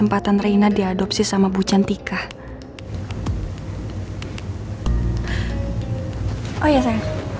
maafraumah sama vaya bisa njutimeh minumasi